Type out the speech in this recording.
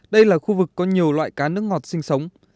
đây là khu vực có nhiều loại cá nước ngọt sinh sống